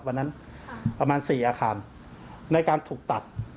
วันนั้นประมาณ๔อาคารในการถูกตัด